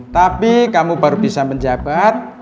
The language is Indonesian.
tapi kamu baru bisa menjabat